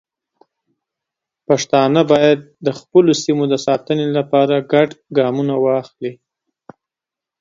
پښتانه باید د خپلو سیمو د ساتنې لپاره ګډ ګامونه واخلي.